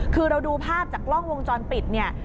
คือเราดูภาพจากกล้องวงจรปิดเนี่ย